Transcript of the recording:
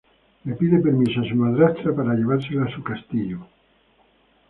Le pide permiso a su madrastra para llevársela a su castillo.